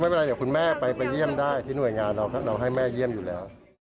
ไม่เป็นไรเดี๋ยวคุณแม่ไปเยี่ยมได้ที่หน่วยงานเราให้แม่เยี่ยมอยู่แล้ว